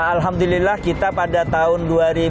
alhamdulillah kita pada tahun dua ribu dua puluh